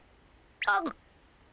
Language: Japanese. あっ。